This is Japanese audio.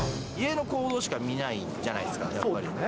家の行動しか見ないじゃないですか、やっぱり。